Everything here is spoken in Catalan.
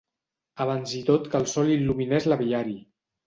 Abans i tot que el sol il·luminés l'aviari.